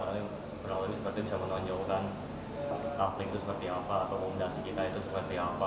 karena ini berarti bisa menonjolkan coupling itu seperti apa atau kompondasi kita itu seperti apa